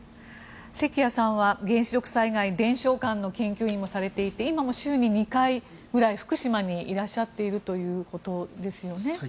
関谷さんは原子力災害伝承館の研究員をされていて今も週に２回くらい福島にいらっしゃっているということですよね。